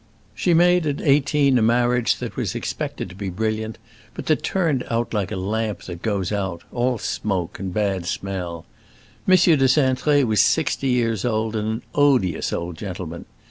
She made at eighteen a marriage that was expected to be brilliant, but that turned out like a lamp that goes out; all smoke and bad smell. M. de Cintré was sixty years old, and an odious old gentleman.